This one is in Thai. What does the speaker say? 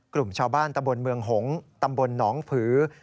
กลุ่มชาวบ้านตำบลเมืองหงษ์ตำบลหนองผือ